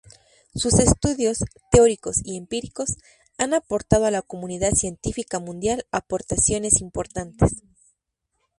Sus estudios, teóricos y empíricos, han aportado a la comunidad científica mundial aportaciones importantes.